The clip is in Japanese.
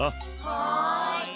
はい。